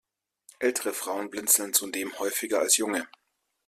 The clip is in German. Ältere Frauen blinzeln zudem häufiger als junge.